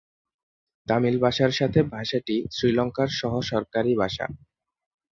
তামিল ভাষার সাথে ভাষাটি শ্রীলঙ্কার সহ-সরকারী ভাষা।